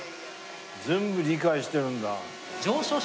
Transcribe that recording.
全部理解してるんだ。